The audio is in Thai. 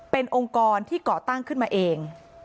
เป็นองค์กรที่ก่อตั้งขึ้นมาเอง